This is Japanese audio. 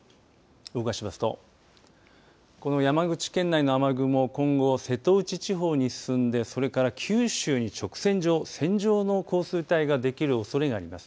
動かしますとこの山口県内の雨雲、今後瀬戸内地方に進んでそれから九州に直線状、線状の降水帯ができるおそれがあります。